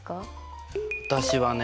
私はね